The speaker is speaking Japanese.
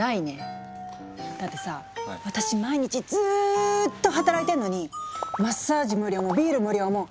だってさ私毎日ずっと働いてるのにマッサージ無料も！